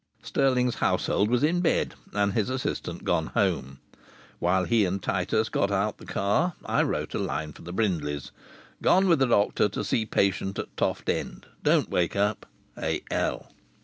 Stirling's household was in bed and his assistant gone home. While he and Titus got out the car I wrote a line for the Brindleys: "Gone with doctor to see patient at Toft End. Don't wait up. A.L."